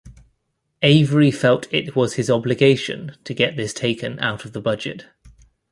Avery felt it was his obligation to get this taken out of the budget.